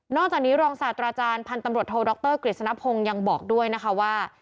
จากนี้รองศาสตราจารย์พันธุ์ตำรวจโทรดรกฤษณพงศ์ยังบอกด้วยนะคะว่า